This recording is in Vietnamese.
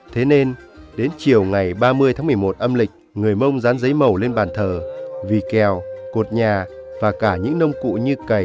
thế nên đến chiều ngày ba mươi tháng một mươi một âm lịch người mông dán giấy màu lên bàn thờ vị kèo cột nhà và cả những nông cụ như cày